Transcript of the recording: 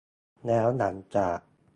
แล้วหลังจาก